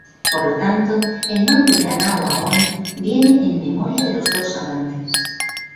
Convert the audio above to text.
Por lo tanto, el nombre Anao-Aón viene en memoria de los dos amantes.